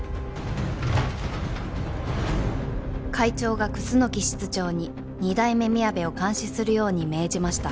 「会長が楠木室長に二代目みやべを監視するように命じました」